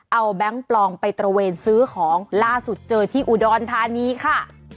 เอาแบงค์ปลอมไปตระเวนซื้อของล่าสุดเจอที่อุดรธานีค่ะ